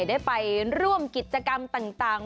ได้ไปร่วมกิจกรรมต่าง